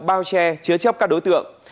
bao che chứa chấp các đối tượng